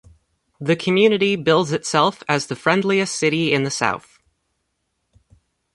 The community bills itself as "The Friendliest City in the South".